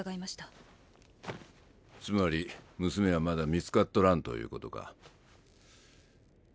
つまり娘はまだ見つかっとらんということか。